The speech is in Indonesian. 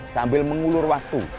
sambil mengulur waktu